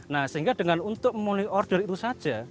nah sehingga dengan untuk memulih order itu saja